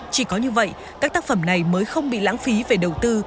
chỉ có như vậy các tác phẩm này mới không bị lãng phí về đầu tư